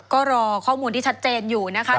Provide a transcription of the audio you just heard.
ก็รอข้อมูลที่ชัดเจนอยู่นะคะ